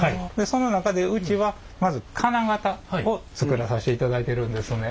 その中でうちはまず金型を作らさしていただいてるんですね。